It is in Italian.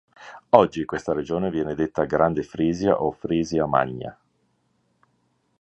Oggi questa regione viene detta Grande Frisia o Frisia Magna.